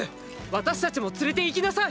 私たちも連れて行きなさい！！